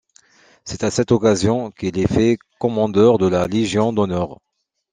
C'est à cette occasion qu'il est fait commandeur de la Légion d'honneur.